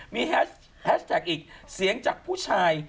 มีแฮชแท็กอีกเสียงจากผู้ชาย